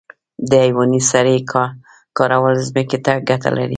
د حیواني سرې کارول ځمکې ته ګټه لري